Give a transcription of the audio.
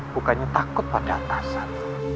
bukannya takut pada atasan